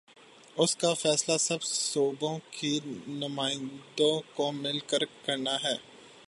اس کا فیصلہ سب صوبوں کے نمائندوں کو مل کر نا ہے۔